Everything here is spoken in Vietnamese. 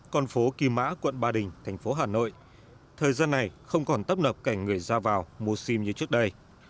con phố kỳ mã quận ba đình thành phố hà nội thời gian này không còn tấp nập cảnh người ra vào mua sim như trước đây